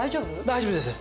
大丈夫です。